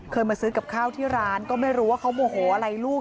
มาซื้อกับข้าวที่ร้านก็ไม่รู้ว่าเขาโมโหอะไรลูก